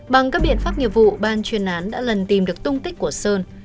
bằng các biện pháp nghiệp vụ ban truy nán đã lần tìm được tung tích của sơn